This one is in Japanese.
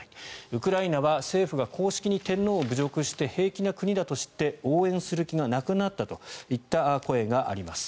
ウクライナは政府が公式に天皇を侮辱して平気な国だと知って応援する気がなくなったといった声があります。